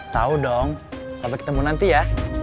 tau dong sampai ketemu nanti ya